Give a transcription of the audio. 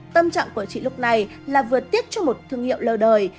tâm trạng của chị lúc này là vừa tiếc cho một thương hiệu lâu đời